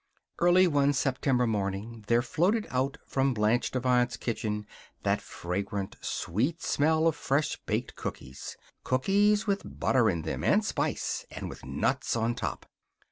Early one September morning there floated out from Blanche Devine's kitchen that fragrant, sweet scent of fresh baked cookies cookies with butter in them, and spice, and with nuts on top.